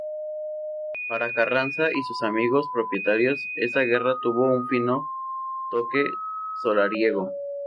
Para Carranza, y sus amigos propietarios, esta guerra tuvo un fino toque solariego.